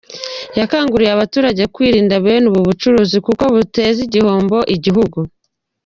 Yakanguriye abaturage kwirinda bene ubu bucuruzi kuko buteza igihombo iguhugu.